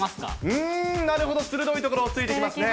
うーん、なるほど、鋭いところをついてきますね。